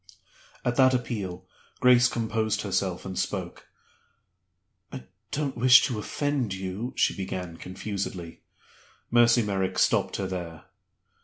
At that appeal Grace composed herself, and spoke. "I don't wish to offend you " she began, confusedly. Mercy Merrick stopped her there.